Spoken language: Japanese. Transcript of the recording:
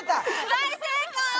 大成功！